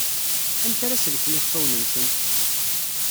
Amek ara sellken iɣfawen-nsen?